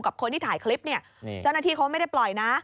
กับคนที่ถ่ายคลิปเนี่ยเจ้าหน้าที่เขาไม่ได้ปล่อยนะ